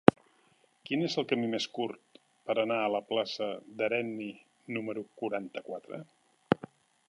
Quin és el camí més curt per anar a la plaça d'Herenni número quaranta-quatre?